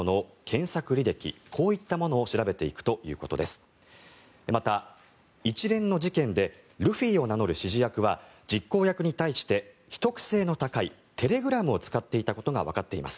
東京海上日動また一連の事件でルフィを名乗る指示役は実行役に対して、秘匿性の高いテレグラムを使っていたことがわかっています。